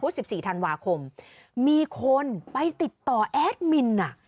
สิบสี่ธันวาคมมีคนไปติดต่อแอดมินอ่ะ